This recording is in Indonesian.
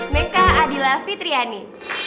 meka adila fitriani